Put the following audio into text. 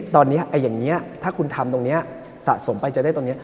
ตอนนี้อย่างนี้ถ้าคุณทำตรงนี้สะสมไปจะได้ตรงนี้